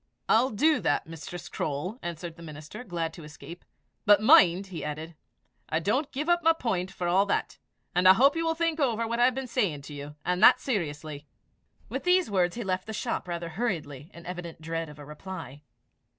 "I'll do that, Mistress Croale," answered the minister, glad to escape. "But mind," he added, "I don't give up my point for all that; and I hope you will think over what I have been saying to you and that seriously." With these words he left the shop rather hurriedly, in evident dread of a reply.